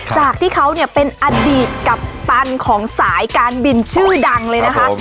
จากที่เขาเนี่ยเป็นอดีตกัปตันของสายการบินชื่อดังเลยนะคะ